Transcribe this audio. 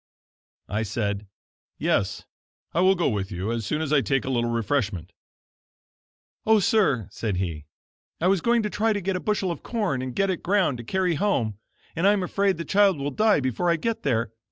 I said: "Yes, I will go with you as soon as I take a little refreshment." "Oh, sir," said he, "I was going to try to get a bushel of corn, and get it ground to carry home, and I am afraid the child will die before I get there.